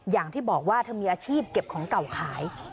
อย่างที่บอกว่าเธอมีอาชีพเก็บของเก่าขาย